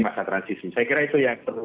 masa transisi saya kira itu yang perlu